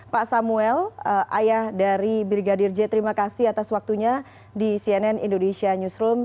pak samuel ayah dari brigadir j terima kasih atas waktunya di cnn indonesia newsroom